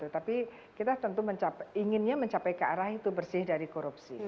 tapi kita tentu inginnya mencapai ke arah itu bersih dari korupsi